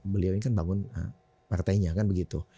beliau ini kan bangun partainya kan begitu